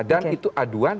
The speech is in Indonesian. dan itu aduan